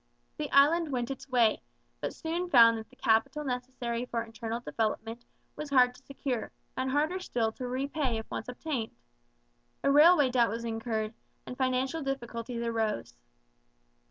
The Island went its way, but soon found that the capital necessary for internal development was hard to secure and harder still to repay if once obtained. A railway debt was incurred, and financial difficulties arose.